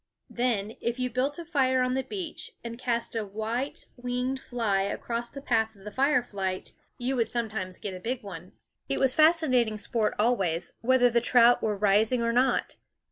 Then, if you built a fire on the beach and cast a white winged fly across the path of the firelight, you would sometimes get a big one. It was fascinating sport always, whether the trout were rising or not.